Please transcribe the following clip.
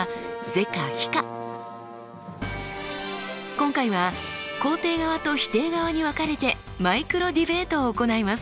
今回は肯定側と否定側に分かれてマイクロディベートを行います。